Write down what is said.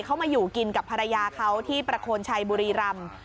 เขามาอยู่กินกับภรรยาเขาที่ประโคนชัยบุรีรำ